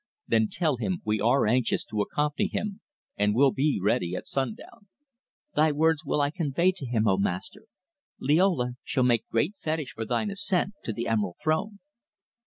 "Then tell him we are anxious to accompany him, and will be ready at sundown." "Thy words will I convey to him, O Master. Liola shall make great fetish for thine ascent to the Emerald Throne."